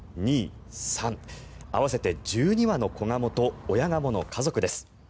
合わせて１２羽の子ガモと親ガモの家族です。